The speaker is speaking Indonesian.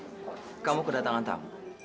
julia kamu kedatangan tamu